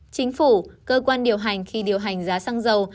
chính phủ cơ quan điều hành khi điều hành giá xăng dầu